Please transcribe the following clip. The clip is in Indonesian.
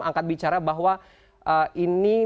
angkat bicara bahwa ini